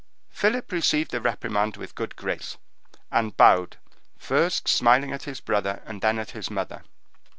Philip received the reprimand with good grace, and bowed, first smiling at his brother, and then at his mother.